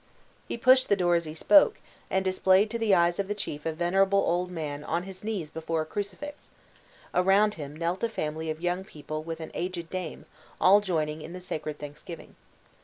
He pushed the door as he spoke, and displayed to the eyes of the chief a venerable old man on his knees before a crucifix; around him knelt a family of young people and an aged dame, all joining in the sacred thanksgiving.